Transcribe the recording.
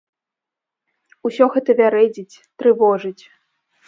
Усё гэта вярэдзіць, трывожыць.